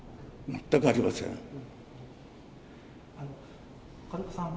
全くありません。